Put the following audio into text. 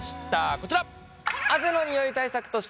こちら！